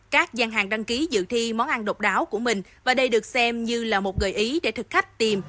các gian hàng đăng ký dự thi món ăn độc đáo của mình và đây được xem như là một gợi ý để thực khách tìm